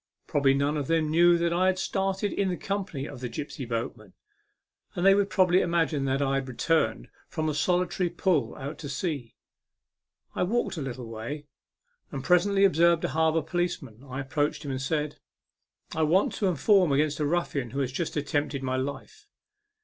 Probably none of them knew that I had started in company with the gipsy boatman, and they would probably imagine that I had returned from a solitary pull out to sea. I walked a little way, and presently observed a harbour police man. I approached him, and said " I want to inform against a ruffian who has just attempted my life."